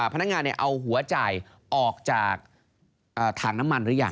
พนักงานเอาหัวจ่ายออกจากถังน้ำมันหรือยัง